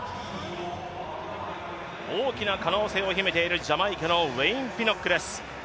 大きな可能性を秘めているジャマイカのウェイン・ピノックです。